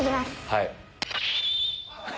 はい。